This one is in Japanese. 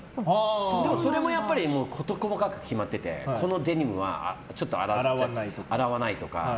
でも、それもやっぱりこと細かく決まっててこのデニムはちょっと洗わないとか。